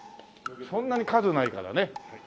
そんなに数ないからね。